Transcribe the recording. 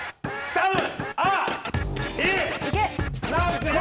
頼む！